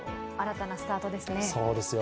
新たなスタートですね。